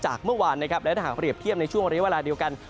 เมื่อวานนะครับและถ้าหากเรียบเทียบในช่วงเรียกเวลาเดียวกัน